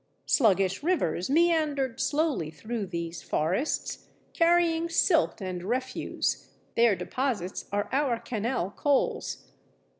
Sluggish rivers meandered slowly through these forests, carrying silt and refuse (their deposits are our Cannel coals).